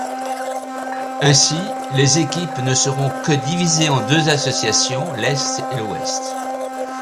Ainsi, les équipes ne seront que divisé en deux associations, l'est et l'ouest.